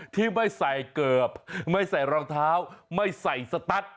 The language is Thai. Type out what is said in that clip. ที่ไม่ใส่เกือบไม่ใส่รองเท้าไม่ใส่สตัส